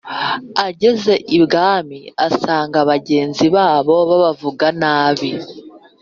ageze ibwami asanga bagenzi babo babavuga nabi